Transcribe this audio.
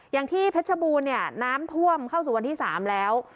อย่างที่เพชรบูรณ์เนี่ยน้ำท่วมเข้าสู่วันที่๓แล้ว